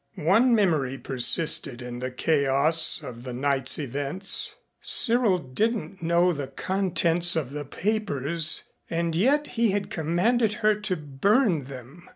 One memory persisted in the chaos of the night's events. Cyril didn't know the contents of the papers and yet he had commanded her to burn them.